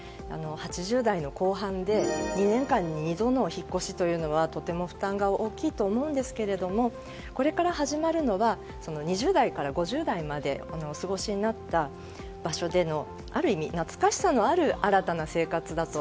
８０代の後半で２年間に２度のお引っ越しというのはとても負担が大きいと思うんですけれどもこれから始まるのは２０代から５０代までお過ごしになった場所でのある意味、懐かしさのある新たな生活だと。